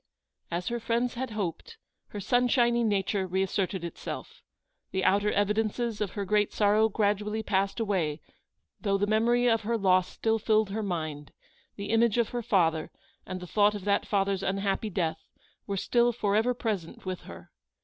As her friends had hoped, her sunshiny nature reasserted itself. The outer evidences of her great sorrow gradually passed away, though the 202 Eleanor's victory. memory of her loss still filled her mind; the image of her father, and the thought of that father's unhappy death, were ^still for ever pre sent with her.